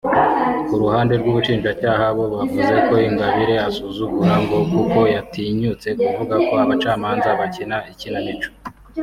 Ku ruhande rw’ubushinjacyaha bo bavuze ko Ingabire asuzugura ngo kuko yatinyutse kuvuga ko abacamanza bakina ikinamico